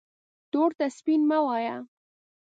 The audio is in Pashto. تور ته سپین مه وایه